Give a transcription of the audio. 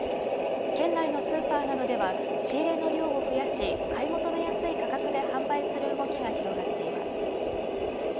県内のスーパーなどでは仕入れの量を増やし買い求めやすい価格で販売する動きが広がっています。